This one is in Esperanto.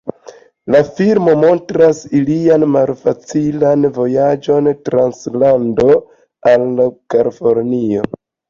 La filmo montras ilian malfacilan vojaĝon trans lando al Kalifornio.